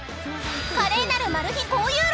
［華麗なるマル秘交遊録！］